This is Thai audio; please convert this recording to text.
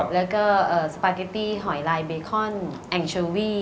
แล้วก็สปาเกตตี้หอยลายเบคอนแองเชอรี่